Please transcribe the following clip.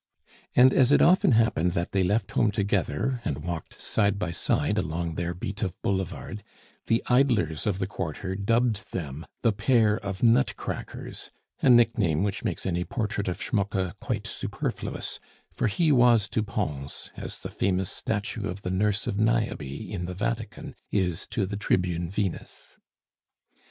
And as it often happened that they left home together and walked side by side along their beat of boulevard, the idlers of the quarter dubbed them "the pair of nutcrackers," a nickname which makes any portrait of Schmucke quite superfluous, for he was to Pons as the famous statue of the Nurse of Niobe in the Vatican is to the Tribune Venus.